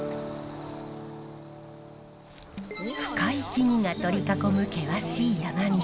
深い木々が取り囲む険しい山道。